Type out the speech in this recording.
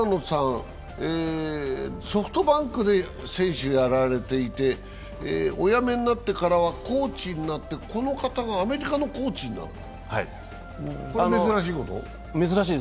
ソフトバンクで選手をやられていておやめになってからはコーチになってこの方がアメリカのコーチになる、これ、珍しいこと？